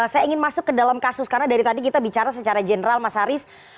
saya ingin masuk ke dalam kasus karena dari tadi kita bicara secara general mas haris